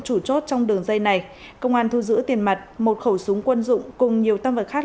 chủ chốt trong đường dây này công an thu giữ tiền mặt một khẩu súng quân dụng cùng nhiều tâm vật khác